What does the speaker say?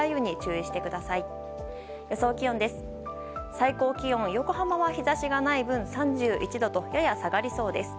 最高気温、横浜は日差しがない分３１度とやや下がりそうです。